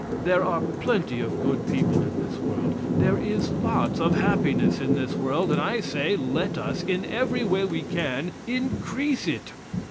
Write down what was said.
There are plenty of good people in this world. There is lots of happiness in this world and, I say, let us, in every way we can, increase it.